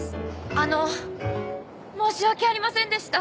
あの申し訳ありませんでした。